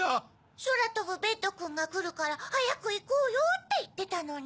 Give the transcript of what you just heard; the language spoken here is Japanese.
「そらとぶベッドくんがくるからはやくいこうよ」っていってたのに。